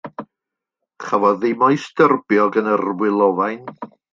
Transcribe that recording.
Chafodd hi mo'i styrbio gan yr wylofain.